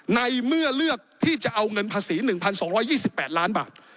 ในเมื่อเลือกที่จะเอาเงินภาษี๑๒๒๘ล้านบาท